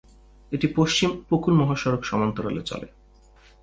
এটি পশ্চিম উপকূল মহাসড়ক সমান্তরালে চলে।